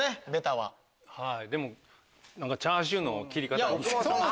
はいでもチャーシューの切り方に似てた。